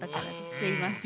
すいません。